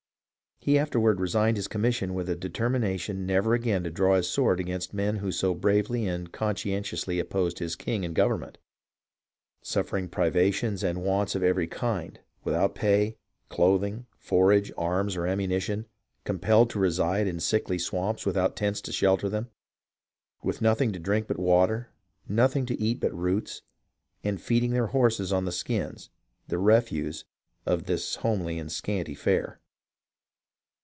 He afterward resigned his commission with a determination never again to draw his sword against men who so bravely and conscientiously opposed his king and government — suffering privations and wants of every kind ; without pay, clothing, forage, arms or ammunition ; compelled to reside in sickly swamps without tents to shelter them ; with nothing to drink but water, nothing to eat but roots, and feeding their horses on the skins — the refuse of this homely and scanty fare.